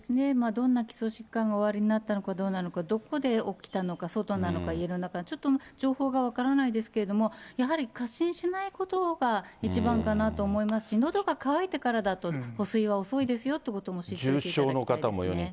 どんな基礎疾患がおありになったのかどうなのか、どこで起きたのか、外なのか、家の中、ちょっと情報が分からないですけども、やはり過信しないことが一番かなと思いますし、のどが渇いてからだと、保水は遅いですよということも知っておいていただきたいですね。